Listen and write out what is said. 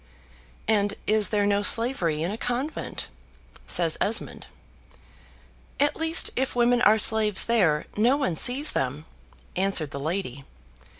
"And is there no slavery in a convent?" says Esmond. "At least if women are slaves there, no one sees them," answered the lady.